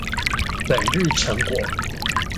本日成果